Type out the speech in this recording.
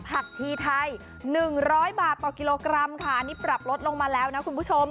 ผักชีไทย๑๐๐บาทต่อกิโลกรัมค่ะนี่ปรับลดลงมาแล้วนะคุณผู้ชม